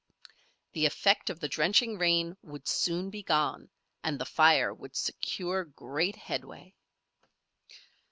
The effect of the drenching rain would soon be gone and the fire would secure great headway.